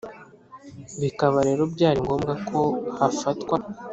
bikaba rero byari ngombwa ko hafatwa